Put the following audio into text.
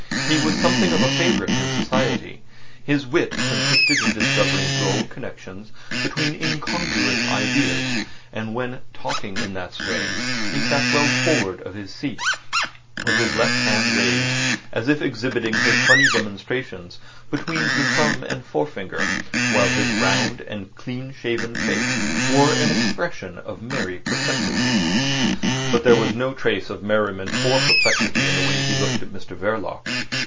He was something of a favourite in society. His wit consisted in discovering droll connections between incongruous ideas; and when talking in that strain he sat well forward of his seat, with his left hand raised, as if exhibiting his funny demonstrations between the thumb and forefinger, while his round and clean shaven face wore an expression of merry perplexity. But there was no trace of merriment or perplexity in the way he looked at Mr Verloc.